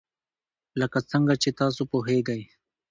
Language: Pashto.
لکه څنګه چې تاسو پوهیږئ.